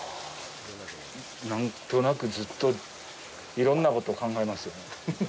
何となく、ずっといろんなことを考えますよね。